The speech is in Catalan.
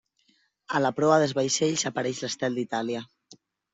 A la proa dels vaixells apareix l'estel d'Itàlia.